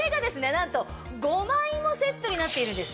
なんと５枚もセットになっているんです。